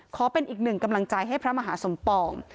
ขอเป็นอีกหนึ่งกำลังใจให้พระมหาสมปอง